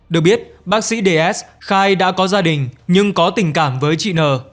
được biết bác sĩ ds khai đã có gia đình nhưng có tình cảm với chị n